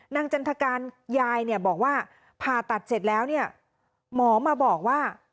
จันทการยายเนี่ยบอกว่าผ่าตัดเสร็จแล้วเนี่ยหมอมาบอกว่า